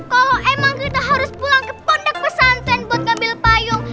kalau emang kita harus pulang ke pondok pesantren buat ngambil payung